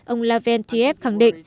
ông laventiev khẳng định